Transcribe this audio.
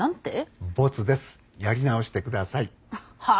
はあ？